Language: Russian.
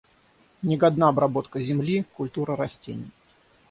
Не годна обработка земли, культура растений.